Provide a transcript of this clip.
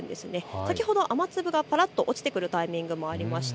先ほど雨粒がパラっと落ちてくるタイミングもありました。